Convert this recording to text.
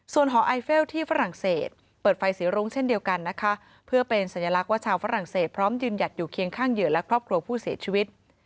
ส่วนหอไอเฟลที่ฝรั่งเศสเปิดไฟสีรุ้งเช่นเดียวกันนะคะเพื่อเป็นสัญลักษณ์ว่าชาวฝรั่งเศสพร้อมยืนหยัดอยู่เคียงข้างเหยื่อและครอบครัวผู้เสียชีวิต